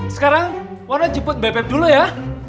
sekarang warna jemput beb beb dulu ya